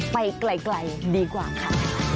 ไปไกลดีกว่าค่ะ